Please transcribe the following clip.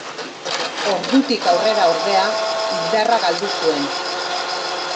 Ordutik aurrera ordea indarra galdu zuen.